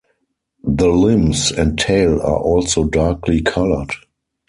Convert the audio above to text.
The limbs and tail are also darkly coloured.